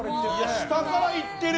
下からいってる！